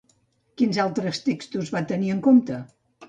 Quins altres textos va tenir en compte?